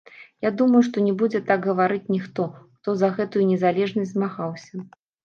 Я думаю, што не будзе так гаварыць ніхто, хто за гэтую незалежнасць змагаўся.